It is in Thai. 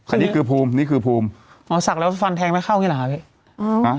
อันนี้คือภูมินี่คือภูมิอ๋อศักดิ์แล้วฟันแทงไม่เข้าเงียดหรอเฮ้ย